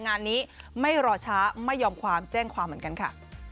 งานนี้ไม่รอช้าไม่ยอมความแจ้งความเหมือนกันค่ะ